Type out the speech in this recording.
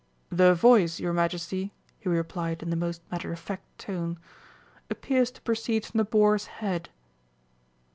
"The voice, your Majesty," he replied in the most matter of fact tone, "appears to proceed from the boar's head."